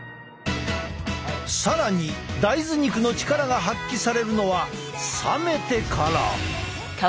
更に大豆肉の力が発揮されるのは冷めてから！